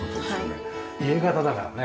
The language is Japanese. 家形だからね。